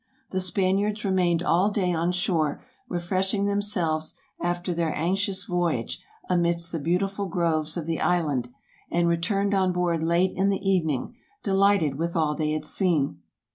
The Spaniards remained all day on shore, refreshing themselves after their anxious voyage amidst the beautiful groves of the island; and returned on board late in the evening, delighted with all they had seen.